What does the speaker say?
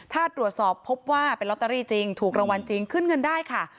ถ้าตรวจสอบพบว่าเป็นลอตเตอรี่จริงถูกรางวัลจริงขึ้นเงินได้ค่ะ